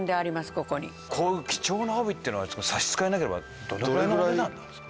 ここにこういう貴重な帯っていうのは差し支えなければどのぐらいのお値段なんですか？